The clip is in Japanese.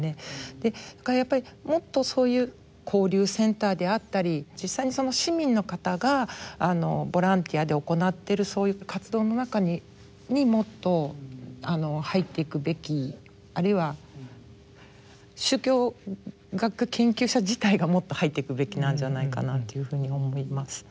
やっぱりもっとそういう交流センターであったり実際にその市民の方がボランティアで行っている活動の中にもっと入って行くべきあるいは宗教学研究者自体がもっと入って行くべきなんじゃないかなっていうふうに思います。